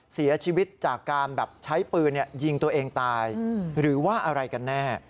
เสียชีวิตจากการแบบใช้ปืนยิงตัวเองตายหรือว่าอะไรกันแน่